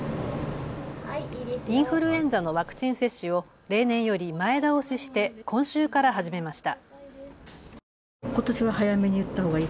インフルエンザのワクチン接種を例年より前倒しして今週から始めました。